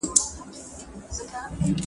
د ورېښمو لاري د محلي اقتصاد لپاره څه ګټه لرله؟